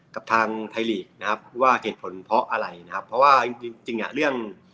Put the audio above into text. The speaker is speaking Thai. กับทางไทยลีกส์นะครับว่าเหตุผลเพราะอะไรนะครับเพราะว่าจริง